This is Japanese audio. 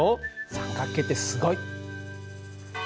三角形ってすごい！